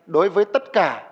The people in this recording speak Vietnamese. đối với tất cả các nguồn nguồn